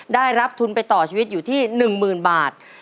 ได้รับทุนไปต่อชีวิตอยู่ที่๑๐๐๐บาท